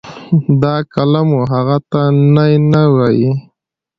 دا قلم و هغه ته نی نه وي.